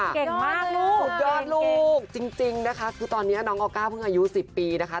เก่งมากลูกสุดยอดลูกจริงนะคะคือตอนนี้น้องออก้าเพิ่งอายุ๑๐ปีนะคะ